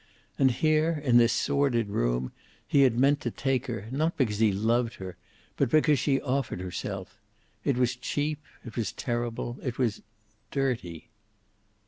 And here in this sordid room, he had meant to take her, not because he loved her, but because she offered herself. It was cheap. It was terrible. It was dirty.